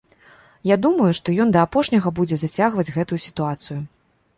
Я думаю, што ён да апошняга будзе зацягваць гэтую сітуацыю.